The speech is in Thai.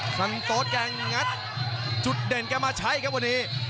สังโต๊ดแกงัดจุดเด่นแกมาใช้ครับวันนี้